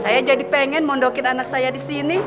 saya jadi pengen mondokin anak saya disini